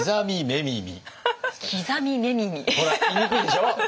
ほら言いにくいでしょう？